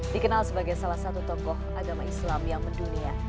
dikenal sebagai salah satu tokoh agama islam yang mendunia